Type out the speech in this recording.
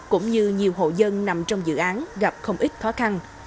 cũng như nhiều hộ dân nằm trong dự án gặp không ít khó khăn